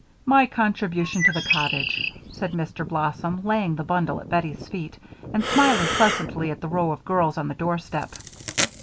"My contribution to the cottage," said Mr. Blossom, laying the bundle at Bettie's feet and smiling pleasantly at the row of girls on the doorstep.